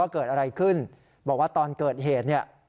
เกิดอะไรขึ้นบอกว่าตอนเกิดเหตุเนี่ย